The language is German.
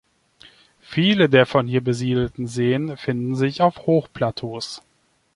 Viele der von ihr besiedelten Seen finden sich auf Hochplateaus.